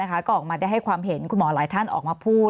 ก็ออกมาได้ให้ความเห็นคุณหมอหลายท่านออกมาพูด